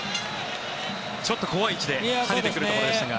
ちょっと怖い位置で跳ねてくるところでしたが。